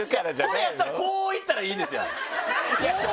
それやったらこう行ったらいいですやん。